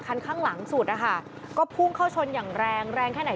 คันข้างหลังสุดนะคะก็พุ่งเข้าชนอย่างแรงแรงแค่ไหน